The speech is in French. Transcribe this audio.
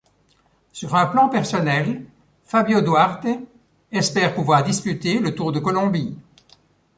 Sur un plan personnel, Fabio Duarte espère pouvoir disputer le Tour de Colombie.